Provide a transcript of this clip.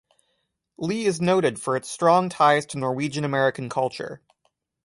Lee is noted for its strong ties to Norwegian American culture.